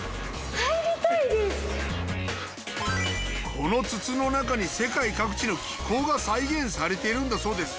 この筒の中に世界各地の気候が再現されているんだそうです。